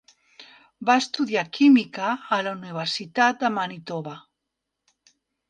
Va estudiar química a la Universitat de Manitoba.